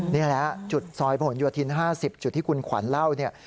นี่แหละจุดซอยผนโยธิน๕๐จุดที่คุณขวัญเล่าเนี่ย